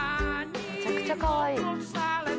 めちゃくちゃかわいい。